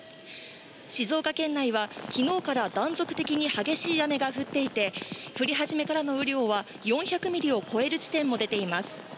静岡県内は、きのうから断続的に激しい雨が降っていて、降り始めからの雨量は４００ミリを超える地点も出ています。